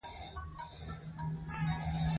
دَخوشنويسۍ دَواقعاتو ذکر هم کوي ۔